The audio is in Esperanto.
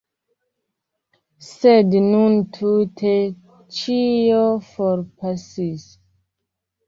Sed nun tute ĉio forpasis.